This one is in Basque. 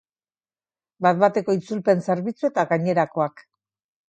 Bat-bateko itzulpen zerbitzu eta gainerakoak.